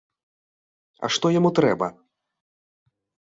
А што яму трэба?